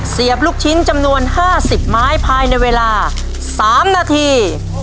เสียบลูกชิ้นจำนวน๕๐ไม้ภายในเวลา๓นาที